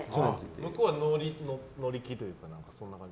向こうは乗り気というかそんな感じ？